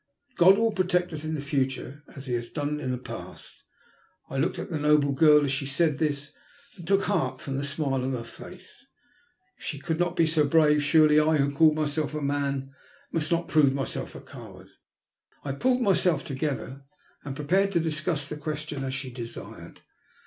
God will protect us in the future as He has done in the past." I looked at the noble girl as she said this, and took heart from the smile upon her face. If she could be 60 brave, surely I, who called myself a man, must not prove myself a coward. I pulled myself together and prepared to discuss the question as she desired.